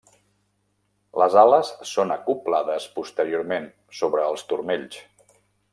Les ales són acoblades posteriorment, sobre els turmells.